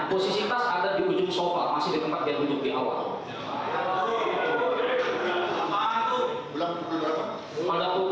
posisi tas ada di ujung sofa masih di tempat dia duduk di awal